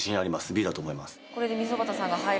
Ｂだと思います